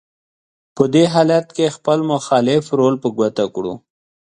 په دې حالت کې خپل مخالف رول په ګوته کړو: